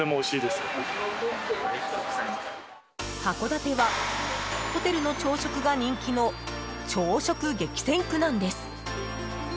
函館はホテルの朝食が人気の朝食激戦区なんです。